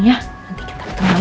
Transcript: nanti kita ketemu lagi ya